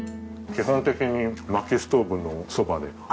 基本的に薪ストーブのそばで。